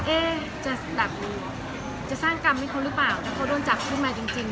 เอ๊ะจะแบบจะสร้างกรรมให้เขาหรือเปล่าถ้าเขาโดนจับขึ้นมาจริง